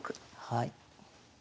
はい。